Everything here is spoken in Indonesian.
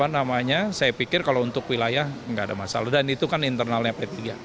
namanya saya pikir kalau untuk wilayah tidak ada masalah dan itu kan internalnya p tiga